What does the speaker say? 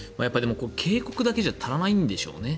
警告だけじゃ足りないんでしょうね。